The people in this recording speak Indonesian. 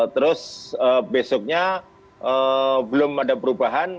terus besoknya belum ada perubahan